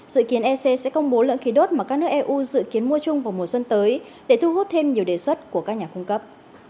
dự kiến ec sẽ công bố lượng khí đốt mà các nước eu dự kiến mua chung vào mùa xuân tới để thu hút thêm nhiều đề xuất của các nhà cung cấp